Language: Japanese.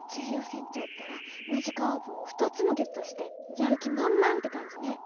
船長ったらムジカオーブを２つもゲットしてやる気満々って感じね。